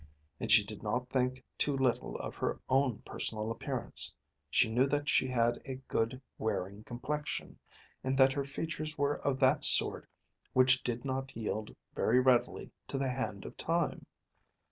And she did not think too little of her own personal appearance. She knew that she had a good wearing complexion, and that her features were of that sort which did not yield very readily to the hand of time.